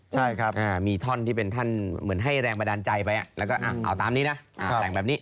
ใช่ครับมีท่อนที่เป็นท่านเหมือนให้แรงบันดาลใจไปแล้วก็เอาตามนี้นะแต่งแบบนี้